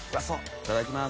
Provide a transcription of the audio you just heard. いただきます。